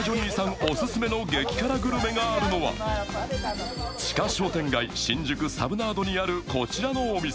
オススメの激辛グルメがあるのは地下商店街・新宿サブナードにあるこちらのお店。